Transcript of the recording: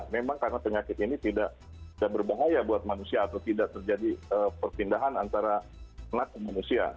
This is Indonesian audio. memang karena penyakit ini tidak berbahaya buat manusia atau tidak terjadi perpindahan antara anak dan manusia